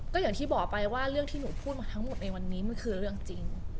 ก็อย่างที่บอกไปว่าเรื่องที่หนูพูดมาทั้งหมดในวันนี้มันคือเรื่องจริง